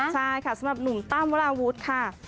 ใช่ค่ะสำหรับหนุ่มตั้มวราวุฒิค่ะ